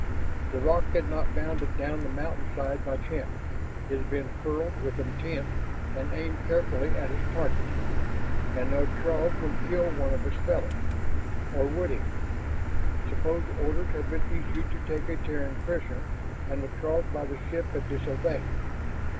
That rock had not bounded down the mountainside by chance; it had been hurled with intent and aimed carefully at its target. And no Throg would kill one of his fellows. Or would he? Suppose orders had been issued to take a Terran prisoner and the Throg by the ship had disobeyed?